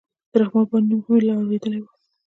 د رحمان بابا نوم خو مې لا اورېدلى و.